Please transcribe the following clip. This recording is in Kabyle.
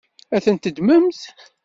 Ad tent-teddmemt?